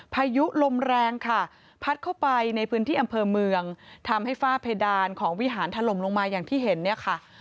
พายุลมแรงค่ะพัดเข้าไปในพื้นที่อำเภอเมืองทำให้ฝ้าเพดานของวิหารถล่มลงมาอย่างที่เห็นเนี่ยค่ะ